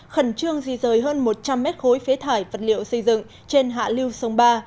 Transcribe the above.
khẩn trương di rời hơn một trăm linh mét khối phế thải vật liệu xây dựng trên hạ lưu sông ba